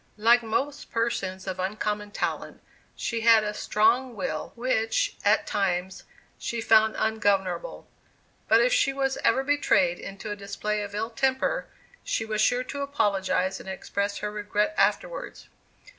Like most persons of uncommon talent, she had a strong will which, at times, she found ungovernable; but if she was ever betrayed into a display of ill temper she was sure to apologize and express her regret afterwards.